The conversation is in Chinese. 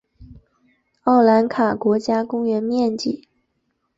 奥兰卡国家公园面积。